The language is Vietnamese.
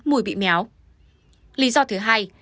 mùi bị méo lý do thứ hai